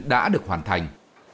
đã được hoàn thành